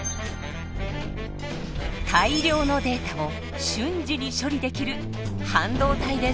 大量のデータを瞬時に処理できる半導体です。